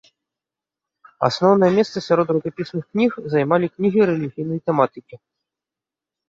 Асноўнае месца сярод рукапісных кніг займалі кнігі рэлігійнай тэматыкі.